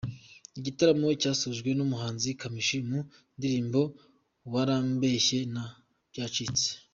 Igitaramo cyasojwe n’umuhanzi Kamichi mu ndirimbo Warambeshye na Byacitse.